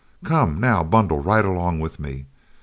Come, now, bundle right along with me.